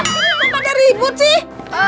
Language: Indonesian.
kenapa pake ribut sih